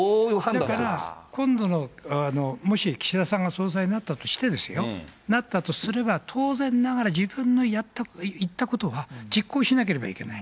だから今度のもし岸田さんが総裁になったとしてですよ、なったとすれば、当然ながら、自分の言ったことは実行しなければいけない。